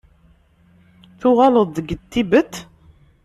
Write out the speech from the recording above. Tuɣaleḍ-d deg Tibet?